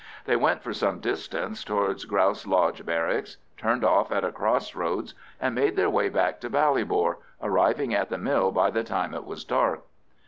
They went for some distance towards Grouse Lodge Barracks, turned off at a cross roads, and made their way back to Ballybor, arriving at the mill by the time it was dark.